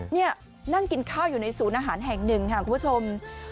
นี่นั่งกินข้าวอยู่ในศูนย์อาหารแห่งหนึ่งค่ะคุณผู้ชม